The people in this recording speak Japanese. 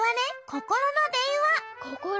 ココロのでんわ？